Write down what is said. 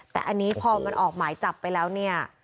แต่อันนี้พอมันออกหมายจับไปแล้วเนี่ย